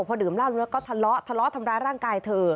พอดื่มเหล้าแล้วก็ทะเลาะทะเลาะทำร้ายร่างกายเธอ